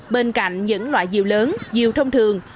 bên cạnh những loại diều lớn diều thông thường